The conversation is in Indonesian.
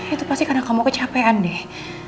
itu pasti karena kamu kecapean deh